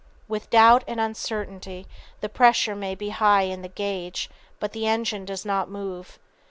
With doubt and uncertainty the pressure may be high in the gauge, but the engine does not move.